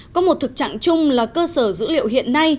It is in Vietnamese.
có một thực trạng chung là cơ sở dữ liệu hiện nay